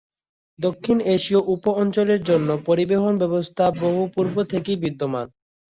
দক্ষিণ এশীয় উপঅঞ্চলের জন্য পরিবহণ ব্যবস্থা বহু পূর্ব থেকেই বিদ্যমান।